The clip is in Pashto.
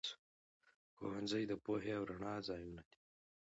ښوونځي د پوهې او رڼا ځايونه دي.